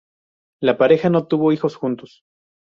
La pareja no tuvo hijos juntos.